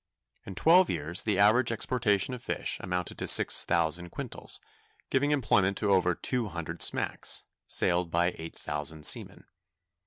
In twelve years the average exportation of fish amounted to six thousand quintals, giving employment to over two hundred smacks, sailed by eight thousand seamen.